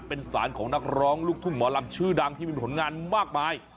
เป็นสารของนักร้องลูกทุ่งหมอลำชื่อดังที่มีผลงานมากมาย